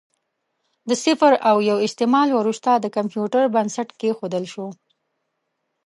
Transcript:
د صفر او یو استعمال وروسته د کمپیوټر بنسټ کېښودل شو.